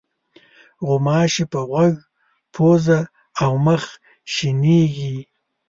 غوماشې په غوږ، پوزه او مخ شېنېږي.